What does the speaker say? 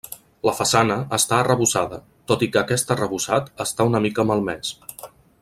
La façana està arrebossada, tot i que aquest arrebossat està una mica malmès.